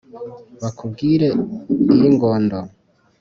Bakubwire iy‘Ingondo,